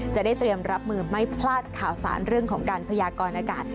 จะได้เตรียมรับมือไม่พลาดข่าวสารเรื่องของการพยากรอากาศ